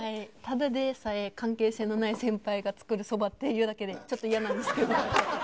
ただでさえ関係性のない先輩が作るそばっていうだけでちょっと嫌なんですけど。